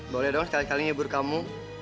boleh dong sekali kali nyebur kamu